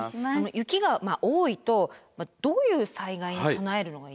雪が多いとどういう災害に備えるのがいいんですか？